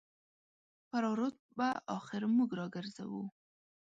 فراه رود به اخر موږ راګرځوو.